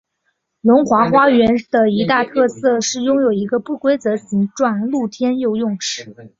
龙华花园的一大特色是拥有一个不规则形状露天游泳池。